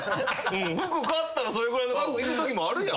服買ったらそれぐらいの額いくときもあるやん。